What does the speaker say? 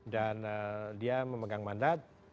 dan dia memegang mandat